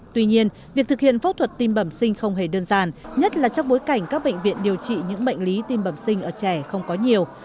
tuy nhiên việc thực hiện phẫu thuật tim bẩm sinh không hề đơn giản nhất là trong bối cảnh các bệnh viện điều trị những bệnh lý tim bẩm sinh ở trẻ không có nhiều